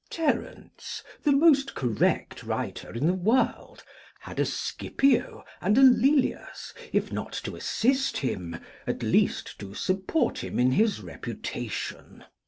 Terence, the most correct writer in the world, had a Scipio and a Lelius, if not to assist him, at least to support him in his reputation.